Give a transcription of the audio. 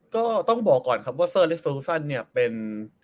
ก็ต้องบอกก่อนครับว่าเซอร์อเล็กเป็น